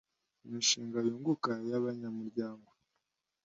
imishinga yunguka y'abanyamuryango